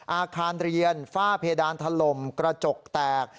อาคารเรียนฝ้าเพดานถล่มกระจกแตก